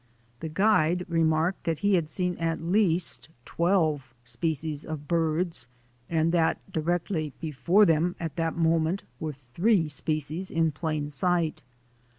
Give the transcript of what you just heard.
The guide remarked that he had seen at least twelve species of birds, and that directly before them at that moment were three species in plain sight.